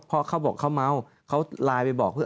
เพราะเขาบอกเขาเมาเขาไลน์ไปบอกเพื่อ